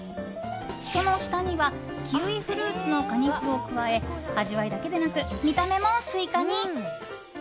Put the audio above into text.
その下にはキウイフルーツの果肉を加え味わいだけでなく見た目もスイカに。